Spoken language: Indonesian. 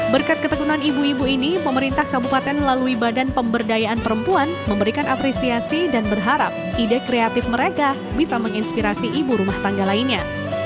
berkat ketekunan ibu ibu ini pemerintah kabupaten melalui badan pemberdayaan perempuan memberikan apresiasi dan berharap ide kreatif mereka bisa menginspirasi ibu rumah tangga lainnya